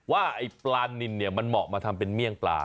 ว่าไอ้ปลานินเนี่ยมันเหมาะมาทำเป็นเมี่ยงปลา